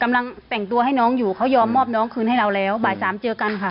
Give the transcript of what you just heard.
กำลังแต่งตัวให้น้องอยู่เขายอมมอบน้องคืนให้เราแล้วบ่ายสามเจอกันค่ะ